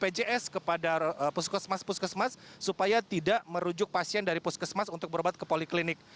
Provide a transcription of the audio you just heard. bpjs kepada puskesmas puskesmas supaya tidak merujuk pasien dari puskesmas untuk berobat ke poliklinik